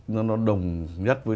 nó đồng nhất với